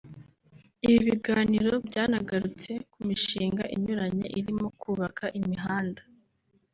Ibi biganiro byanagarutse ku mishinga inyuranye irimo kubaka imihanda